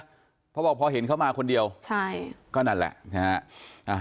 เพราะบอกพอเห็นเขามาคนเดียวใช่ก็นั่นแหละนะฮะ